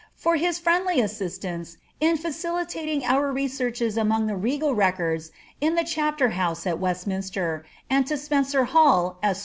for his friendly assistance in facilitating oar researches among the regal records in the Chapter House at West minster, and to Spencer Hall, esq.